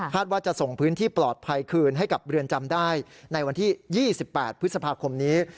ว่าจะส่งพื้นที่ปลอดภัยคืนให้กับเรือนจำได้ในวันที่๒๘พฤษภาคมนี้